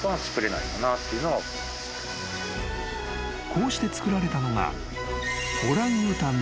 ［こうして造られたのが］